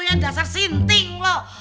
yang dasar sinting lu